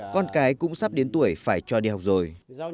con cái cũng sắp đến tuổi phải cho đi học rồi